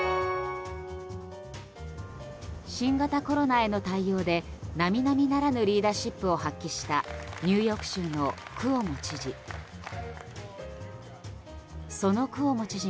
新型コロナへの対応で並々ならぬリーダーシップを発揮したニューヨーク州のクオモ知事。